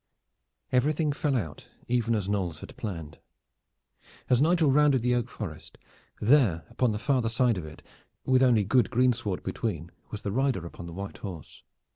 Everything fell out even as Knolles had planned. As Nigel rounded the oak forest, there upon the farther side of it, with only good greensward between, was the rider upon the white horse.